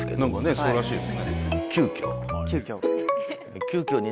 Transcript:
そうらしいですね。